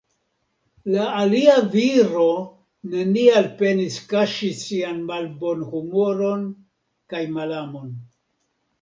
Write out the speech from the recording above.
La alia viro neniel penis kaŝi sian malbonhumoron kaj malamon.